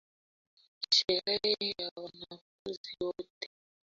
Sherehe ya wanafunzi wote.